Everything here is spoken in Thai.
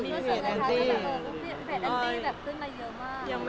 รู้สึกไงคะแฟนอันตี้ขึ้นมาเยอะมาก